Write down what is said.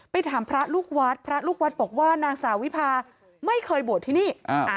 ถามพระลูกวัดพระลูกวัดบอกว่านางสาววิพาไม่เคยบวชที่นี่